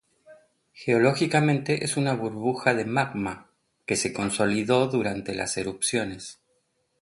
Geológicamente es una burbuja de magma que se consolidó durante las erupciones.